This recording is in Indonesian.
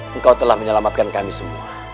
engkau telah menyelamatkan kami semua